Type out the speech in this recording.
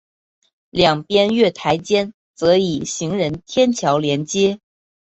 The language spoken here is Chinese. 两边月台间则以行人天桥连接。